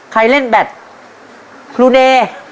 ใครเล่นแบตครูเน